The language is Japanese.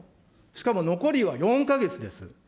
しかも残りは４か月です。